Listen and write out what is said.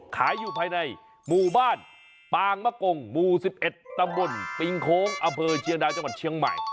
อยู่ภายในหมู่บ้านปางมะกงหมู่๑๑ตำบลปิงโค้งอำเภอเชียงดาวจังหวัดเชียงใหม่